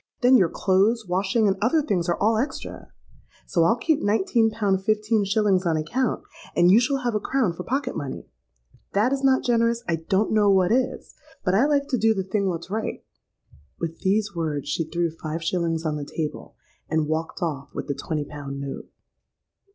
Then your clothes, washing, and other things are all extra. So I'll keep nineteen pound fifteen shillings on account; and you shall have a crown for pocket money. If that is not generous, I don't know what is; but I like to do the thing what's right.'—With these words she threw five shillings on the table, and walked off with the twenty pound note.